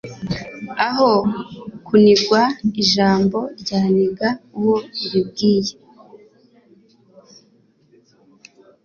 aho kuniganwa ijambo ryaniga uwo uribwiye